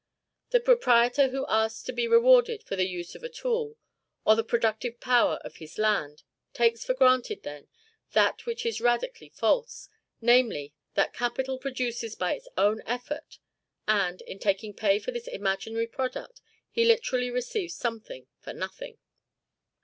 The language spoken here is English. The proprietor who asks to be rewarded for the use of a tool, or the productive power of his land, takes for granted, then, that which is radically false; namely, that capital produces by its own effort, and, in taking pay for this imaginary product, he literally receives something for nothing.